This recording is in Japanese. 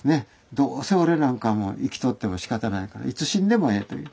どうせ俺なんかもう生きておってもしかたないからいつ死んでもええという。